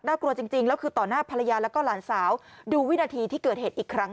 กลัวจริงแล้วคือต่อหน้าภรรยาแล้วก็หลานสาวดูวินาทีที่เกิดเหตุอีกครั้ง